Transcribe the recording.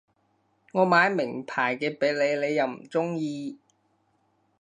我買名牌嘢畀你你又唔中意